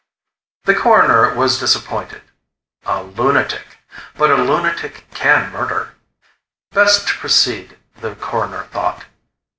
The Coroner was disappointed. A lunatic. But a lunatic can murder. Best to proceed, the Coroner thought.